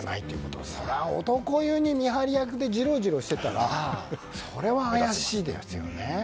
それは男湯に見張り役でジロジロしていたらそれは怪しいですよね。